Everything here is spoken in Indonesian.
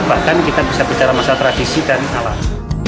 bahkan kita bisa bicara masalah tradisi dan alam